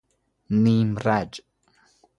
نیم رج